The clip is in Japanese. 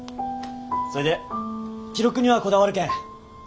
そいでん記録にはこだわるけん。